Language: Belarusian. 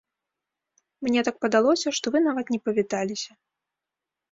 Мне так падалося, што вы нават не павіталіся.